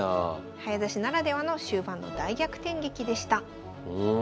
早指しならではの終盤の大逆転劇でした。